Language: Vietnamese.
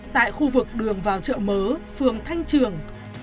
tại khu vực đường vào chợ mớ phường thanh trường